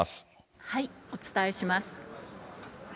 お伝えします。